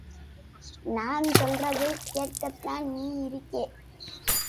நான் சொல்றதைக் கேட்கத்தான் நீ இருக்கே.